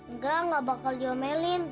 enggak gak bakal diomelin